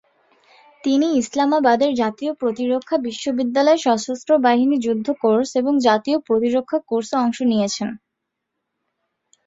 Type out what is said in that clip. তিনি ইসলামাবাদের জাতীয় প্রতিরক্ষা বিশ্ববিদ্যালয়ে সশস্ত্র বাহিনী যুদ্ধ কোর্স এবং জাতীয় প্রতিরক্ষা কোর্সে অংশ নিয়েছেন।